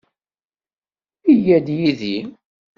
Yya-d yid-i.